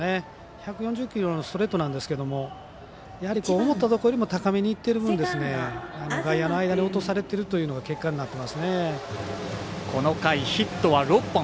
１４０キロのストレートなんですけどやはり思ったところよりも高めにいってる分外野の間に落とされてるというのがこの回、ヒットは６本。